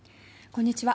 こんにちは。